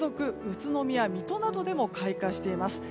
宇都宮、水戸などでも開花しています。